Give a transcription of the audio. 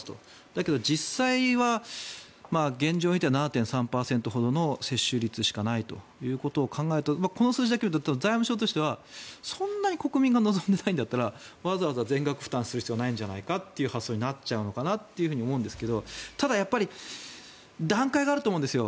だけど実際は現状においては７．３％ほどの接種率しかないということを考えるとこの数字だけを見ると財務省としては本当に国民が望んでないんだったらわざわざ全額負担する必要はないんじゃないかとなっちゃうのかなって思うんですがやっぱり段階があると思うんですよ。